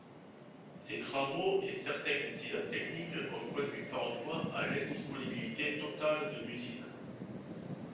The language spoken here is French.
Ces travaux et certains incidents techniques ont conduit parfois à l'indisponibilité totale de l'usine.